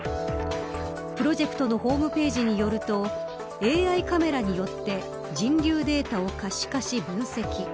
プロジェクトのホームページによるとＡＩカメラによって人流データを可視化し分析。